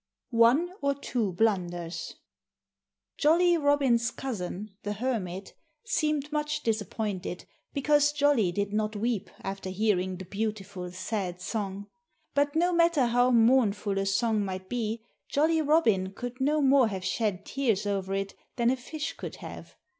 XIV ONE OR TWO BLUNDERS Jolly Robin's cousin, the Hermit, seemed much disappointed because Jolly did not weep after hearing the beautiful, sad song. But no matter how mournful a song might be, Jolly Robin could no more have shed tears over it than a fish could have.